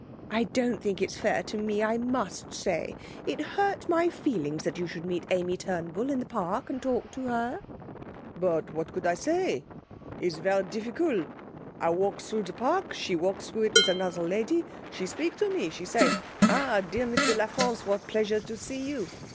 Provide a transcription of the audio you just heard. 'I don't think it's fair to me, I must say; it hurt my feelings that you should meet Amy Turnbull in the park and talk to her.' 'But what could I say? It is ver' difficul. I walk through the park; she walk through it with another lady. She speak to me. She say: Ah, dear Mr La France, what pleasure to see you!